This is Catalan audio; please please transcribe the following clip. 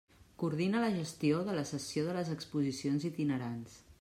Coordina la gestió de la cessió de les exposicions itinerants.